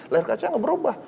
ler kaca gak berubah